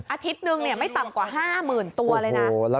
อาทิตย์นึงไม่ต่ำกว่า๕๐๐๐ตัวเลยนะ